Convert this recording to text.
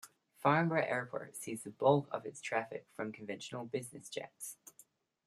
Farnborough Airport sees the bulk of its traffic from conventional business jets.